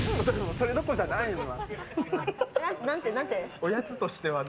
それどころじゃないわ、今。